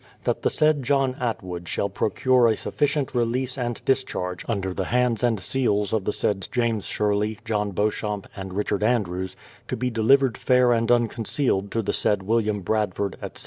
that the said John Atwood shall procure a sufficient release and dis charge under the hands and seals of the said James Sherley, John Beauchamp, and Richard Andrews, to be delivered fair and un concealed to the said William Bradford, etc.